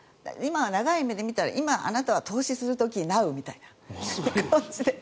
長い目で見たらあなたは投資する時・ナウみたいな。